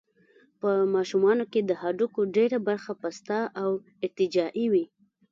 په ماشومانو کې د هډوکو ډېره برخه پسته او ارتجاعي وي.